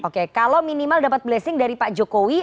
oke kalau minimal dapat blessing dari pak jokowi